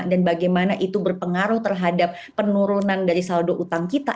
dan bagaimana itu berpengaruh terhadap penurunan dari saldo hutang kita